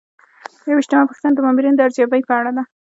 یوویشتمه پوښتنه د مامورینو د ارزیابۍ په اړه ده.